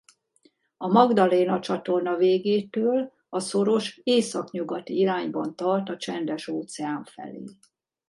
A Magdaléna-csatorna végétől a szoros északnyugati irányban tart a Csendes-óceán felé.